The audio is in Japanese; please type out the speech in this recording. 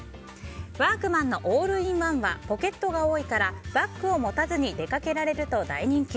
ワークマンのオールインワンはポケットが多いからバッグを持たずに出かけられると大人気。